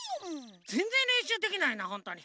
ぜんぜんれんしゅうできないなほんとに。